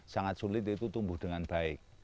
sangat sulit itu tumbuh dengan baik